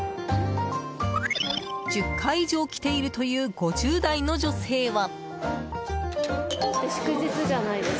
１０回以上来ているという５０代の女性は。